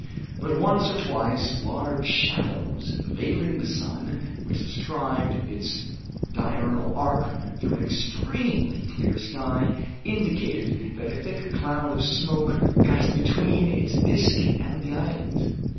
But once or twice, large shadows, veiling the sun, which described its diurnal arc through an extremely clear sky, indicated that a thick cloud of smoke passed between its disc and the island.